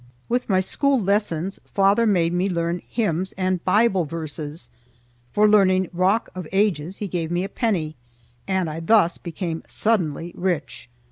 With my school lessons father made me learn hymns and Bible verses. For learning "Rock of Ages" he gave me a penny, and I thus became suddenly rich.